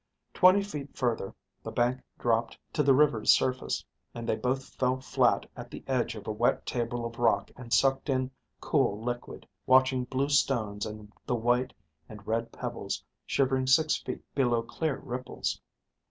Twenty feet further, the bank dropped to the river's surface, and they both fell flat at the edge of a wet table of rock and sucked in cool liquid, watching blue stones and the white and red pebbles shivering six feet below clear ripples.